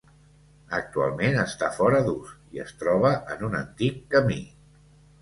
Actualment està fora d'ús i es troba en un antic camí.